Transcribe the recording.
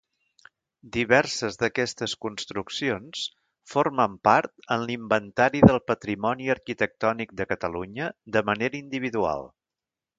Diverses d'aquestes construccions formen part en l'Inventari del Patrimoni Arquitectònic de Catalunya de manera individual.